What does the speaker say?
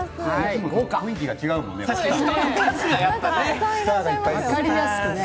雰囲気が違うもんね。